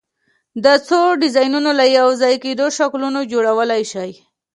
د څو ډیزاینونو له یو ځای کېدو شکلونه جوړولی شئ؟